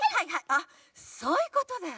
あっそういうことだよ。